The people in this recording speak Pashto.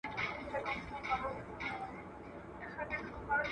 په خپل حسن وه مغروره خانتما وه ..